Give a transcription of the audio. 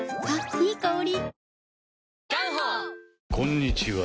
いい香り。